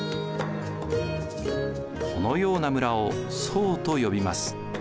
このような村を惣と呼びます。